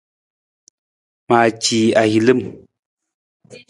Maaci ahilim.